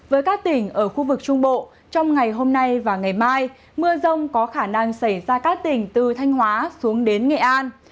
với các tỉnh ở khu vực trung bộ trong ngày hôm nay và ngày mai mưa rông có khả năng xảy ra các tỉnh từ thanh hóa xuống đến nghệ an